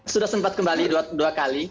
sudah sempat kembali dua kali